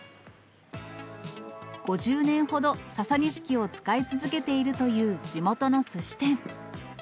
５０年ほどササニシキを使い続けているという地元のすし店。